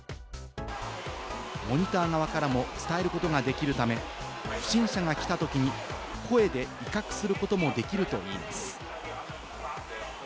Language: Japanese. モニター側からも伝えることができるため、不審者が来たときに声で威嚇することもできるといいます。